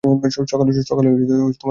সকালে সব সমস্যার সমাধা করে নিস।